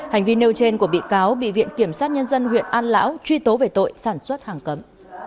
hành vi nêu trên của bị cáo bị viện kiểm sát nhân dân huyện an lão truy tố về tội sản xuất hàng cấm